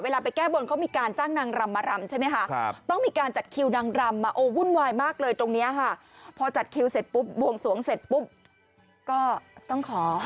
และก็ต้องขอเลขรอบหน้าเลยละกัน